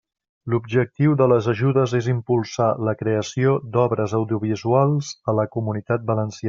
L'objectiu de les ajudes és impulsar la creació d'obres audiovisuals a la Comunitat Valenciana.